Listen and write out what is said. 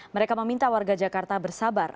mereka meminta warga jakarta bersabar